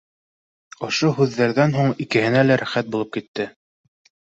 Ошо һүҙҙәрҙән һуң икеһенә лә рәхәт булып китте